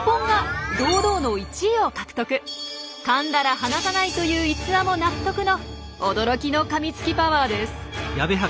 かんだら離さないという逸話も納得の驚きのかみつきパワーです。